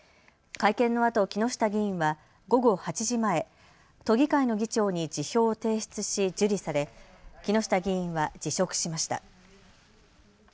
会見のあと、木下議員は午後８時前、都議会の議長に辞表を提出し受理され木下議員は辞職しました。